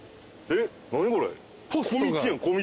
えっ？